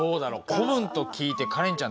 古文と聞いてカレンちゃん